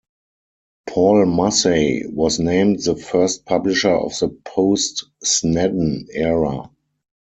Paul Massey was named the first publisher of the post-Snedden era.